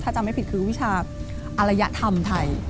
ถ้าจำไม่ผิดคือวิชาอรยธรรมไทย